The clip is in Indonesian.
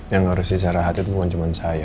yang harus istirahat itu bukan cuma saya